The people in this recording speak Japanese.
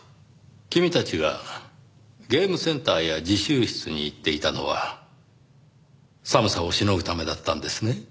君たちがゲームセンターや自習室に行っていたのは寒さを凌ぐためだったんですね。